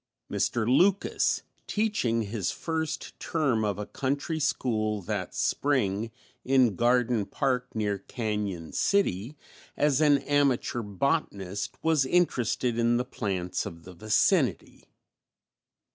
Mr. Lucas, teaching his first term of a country school that spring in Garden Park near Cañon City, as an amateur botanist was interested in the plants of the vicinity.